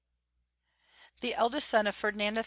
THE eldest son of Ferdinand III.